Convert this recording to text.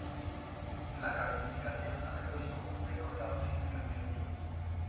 La calcificación a menudo se confunde con la osificación.